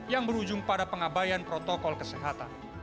yang berujung pada pengabayan protokol kesehatan